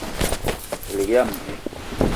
Elig yam dji